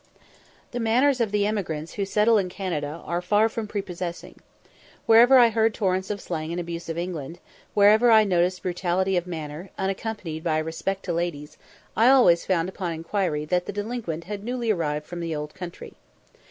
The manners of the emigrants who settle in Canada are far from prepossessing. Wherever I heard torrents of slang and abuse of England; wherever I noticed brutality of manner, unaccompanied by respect to ladies, I always found upon inquiry that the delinquent had newly arrived from the old country.